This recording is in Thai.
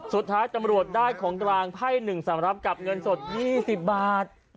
สุดท้ายน์ตำรวจได้ของกลางไพ่หนึ่งสำหรับกับเงินสดของหญิงยี่สิบบาท